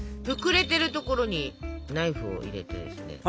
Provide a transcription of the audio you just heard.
膨れてるところにナイフを入れてですね。